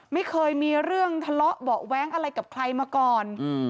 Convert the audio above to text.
ไม่เคยมีเรื่องทะเลาะเบาะแว้งอะไรกับใครมาก่อน